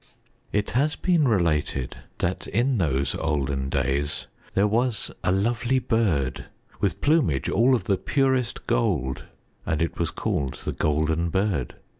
It has been related that in those olden days there was a lovely bird with plumage all of the purest gold and it was called The Golden Bird.